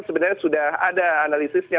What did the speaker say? sebenarnya sudah ada analisisnya